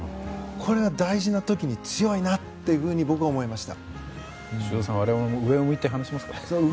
これが大事な時に強いなと僕は思いました。